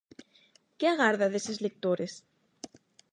Que agarda deses lectores?